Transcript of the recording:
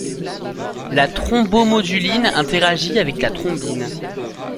La thrombomoduline interagit avec la thrombine.